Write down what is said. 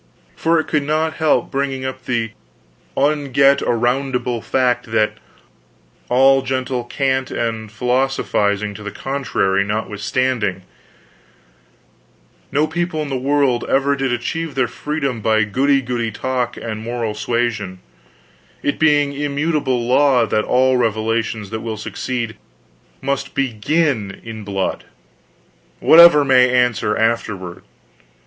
For it could not help bringing up the unget aroundable fact that, all gentle cant and philosophizing to the contrary notwithstanding, no people in the world ever did achieve their freedom by goody goody talk and moral suasion: it being immutable law that all revolutions that will succeed must begin in blood, whatever may answer afterward.